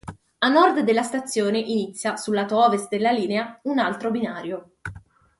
A nord della stazione inizia, sul lato ovest della linea, un altro binario.